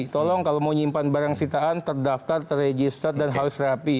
tolong kalau mau nyimpan barang sitaan terdaftar terregister dan harus rapi